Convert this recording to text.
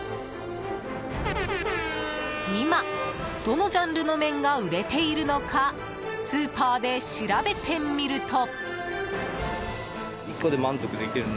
今、どのジャンルの麺が売れているのかスーパーで調べてみると。